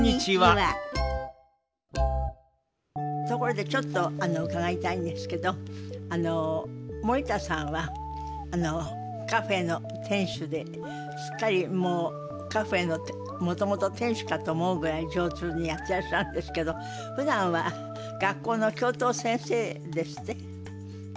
ところでちょっと伺いたいんですけど森田さんはカフェの店主ですっかりもうカフェのもともと店主かと思うぐらい上手にやってらっしゃるんですけどふだんは学校の教頭先生ですって？